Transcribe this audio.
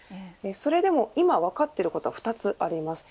それでも今分かっていることは２つあります。